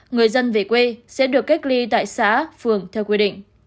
người dân về quê sẽ được cách ly tại xã phường theo quy định